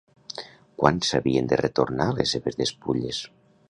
Quan s'havien de retornar les seves despulles?